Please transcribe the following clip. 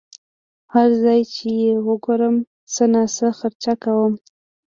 هر ځای چې یې وګورم څه ناڅه خرچه کوم.